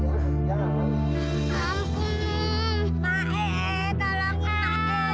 saat ini kita nyamarin betel lah